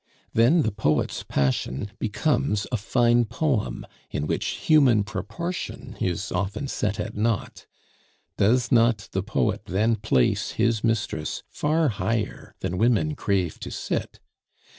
Then the poet's passion becomes a fine poem in which human proportion is often set at nought. Does not the poet then place his mistress far higher than women crave to sit?